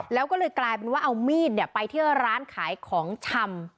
แล้วก็เลยกลายเป็นว่าเอามีดไปที่ร้านขายของชำ